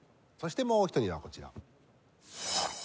そしてもう一人はこちら。